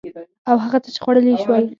او هغه څه چې خوړلي يې شول